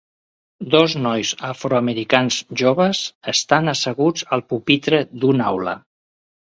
Dos nois afroamericans joves estan asseguts al pupitre d'una aula.